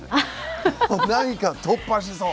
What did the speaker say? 何か突破しそう！